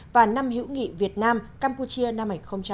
và năm hữu nghị việt nam campuchia năm hai nghìn một mươi chín